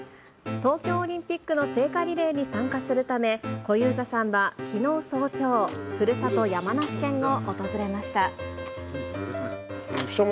東京オリンピックの聖火リレーに参加するため、小遊三さんはきのう早朝、ふるさと、山梨県を訪れました。